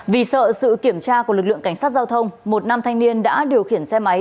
vì sợ sự kiểm tra của lực lượng cảnh sát giao thông một nam thanh niên đã điều khiển xe máy